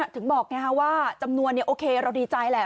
ถึงบอกว่าจำนวนโอเคเราดีใจแหละ